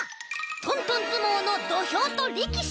トントンずもうのどひょうとりきし！